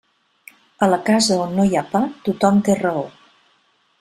A la casa on no hi ha pa, tothom té raó.